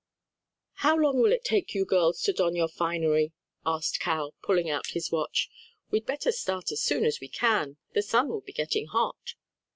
"How long will it take you girls to don your finery?" ask Cal, pulling out his watch. "We'd better start as soon as we can: the sun will be getting hot."